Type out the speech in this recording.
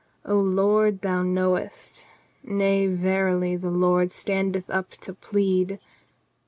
O Lord, thou knowest. ... Nay, verily, the Lord standeth up to plead.